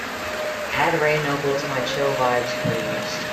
Add Ray Noble to my Chill Vibes playlist.